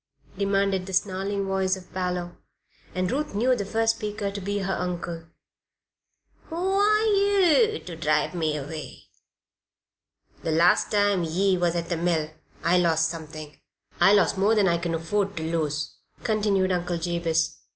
demanded the snarling voice of Parloe, and Ruth knew the first speaker to be her uncle. "Who are yeou ter drive me away?" "The last time ye was at the mill I lost something I lost more than I kin afford to lose again," continued Uncle Jabez.